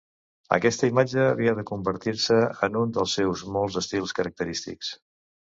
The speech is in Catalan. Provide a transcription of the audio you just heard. Aquesta imatge havia de convertir-se en un dels seus molts estils característics.